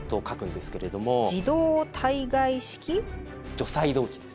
除細動器です。